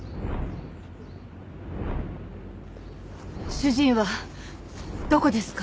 主人はどこですか？